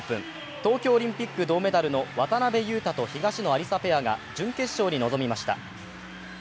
東京オリンピック銅メダルの渡辺勇大・東野有紗ペアが準決勝に臨みました。